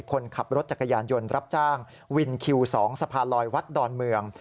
คนขับรถจักรยานยนต์รับจ้างวินคิว๒สะพานลอยวัดดอนเมือง